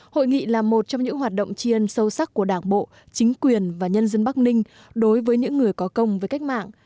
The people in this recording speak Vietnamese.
hội nghị là một trong những hoạt động tri ân sâu sắc của đảng bộ chính quyền và nhân dân bắc ninh đối với những người có công với cách mạng